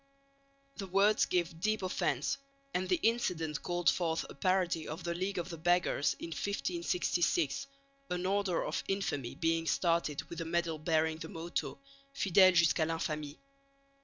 The words gave deep offence; and the incident called forth a parody of the League of the Beggars in 1566, an Order of Infamy being started with a medal bearing the motto _fidèles jusqu' à l'infamie.